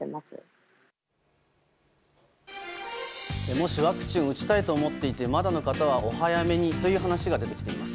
もし、ワクチンを打ちたいと思っていてまだの方はお早めにという話が出てきています。